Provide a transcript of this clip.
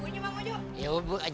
nggak bunyi bunyi bang wajo